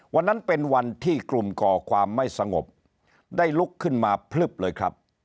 วันนั้นเป็นวันที่กลุ่มก่อความไม่สงบได้ลุกขึ้นมาพลึบเลยครับ